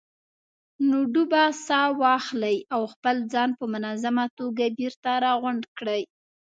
نو ډوبه ساه واخلئ او خپل ځان په منظمه توګه بېرته راغونډ کړئ.